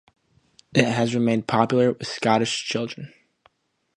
It has remained popular with Scottish children.